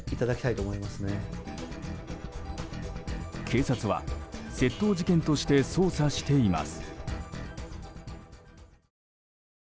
警察は、窃盗事件として捜査しています。